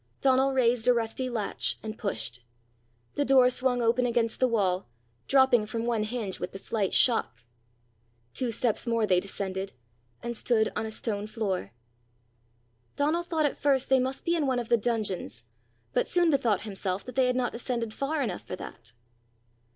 Donal raised a rusty latch and pushed; the door swung open against the wall, dropping from one hinge with the slight shock. Two steps more they descended, and stood on a stone floor. Donal thought at first they must be in one of the dungeons, but soon bethought himself that they had not descended far enough for that.